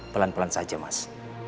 pelan pelan saja mas